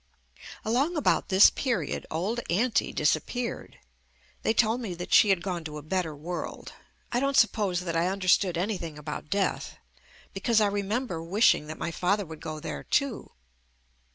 Along about this period Old Aunty disap peared. They told me that she had gone to a better world. I don't suppose that I under stood anything about death, because I remem ber wishing that my father would go there too.